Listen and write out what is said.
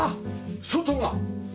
外が！